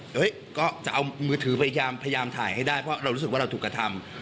เฮ้ยก็จะเอามือถือพยายามถ่ายให้ได้เพราะเรารู้สึกว่าเราถูกกระทำ